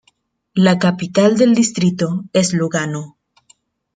La capital del distrito es Lugano.